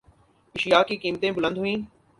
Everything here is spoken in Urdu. اشیا کی قیمتیں بلند ہوئیں